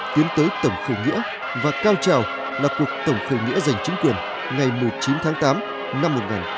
tiến tới tổng khởi nghĩa và cao trào là cuộc tổng khởi nghĩa giành chính quyền ngày một mươi chín tháng tám năm một nghìn chín trăm bảy mươi năm